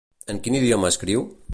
En quin idioma escriu?